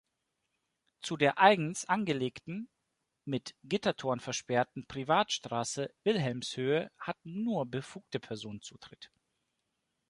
Zu der eigens angelegten, mit Gittertor versperrten Privatstraße Wilhelmshöhe hatten nur befugte Personen Zutritt.